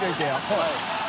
はい。）